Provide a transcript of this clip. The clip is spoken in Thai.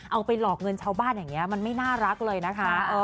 เอาไปหลอกเงินชาวบ้านอย่างนี้มันไม่น่ารักเลยนะคะ